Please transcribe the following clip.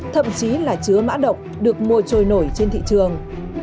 thậm chí là chứa mã độc được mua trôi nổi trên thị trường